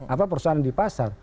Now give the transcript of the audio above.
apa perusahaan di pasar